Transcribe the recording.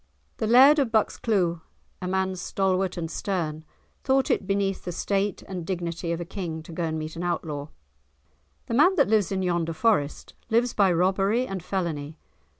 The Laird of Buckscleuth, a man stalwart and stern, thought it beneath the state and dignity of a King to go and meet an Outlaw. "The man that lives in yonder forest, lives by robbery and felony!